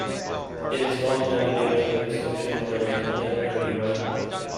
It is not in any danger of extinction, but is yet very rare.